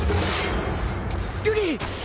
瑠璃！